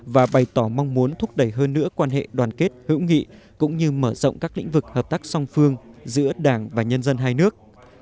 và bày tỏ mong muốn thúc đẩy hơn nữa quan hệ đoàn kết hữu nghị cũng như mở rộng các lĩnh vực hợp tác song phương giữa đảng và nhân dân hai nước